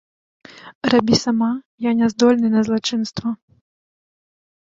Рабі сама, я няздольны на злачынства!